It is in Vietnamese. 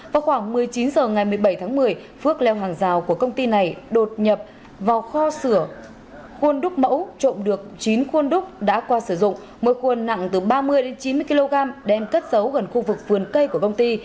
vào khoảng một mươi chín h ngày một mươi bảy tháng một mươi phước leo hàng rào của công ty này đột nhập vào kho sửa khuôn đúc mẫu trộm được chín khuôn đúc đã qua sử dụng mỗi khuôn nặng từ ba mươi đến chín mươi kg đem cất giấu gần khu vực vườn cây của công ty